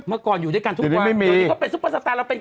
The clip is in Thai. เมื่อก่อนอยู่ด้วยกันทุกวัน